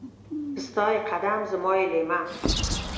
ستا يې قدم ، زما يې ليمه.